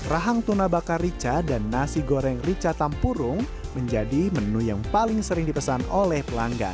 rahang tuna bakar rica dan nasi goreng rica tampurung menjadi menu yang paling sering dipesan oleh pelanggan